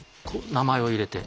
名前を入れて。